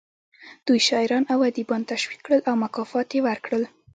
دوی شاعران او ادیبان تشویق کړل او مکافات یې ورکړل